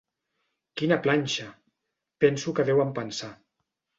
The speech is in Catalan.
Quina planxa!, penso que deuen pensar.